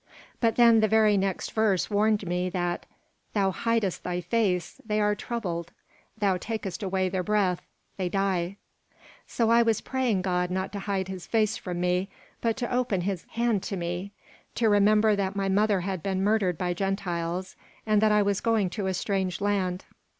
But then the very next verse warned me that "Thou hidest thy face, they are troubled: thou takest away their breath, they die." So I was praying God not to hide His face from me, but to open His hand to me; to remember that my mother had been murdered by Gentiles and that I was going to a strange land.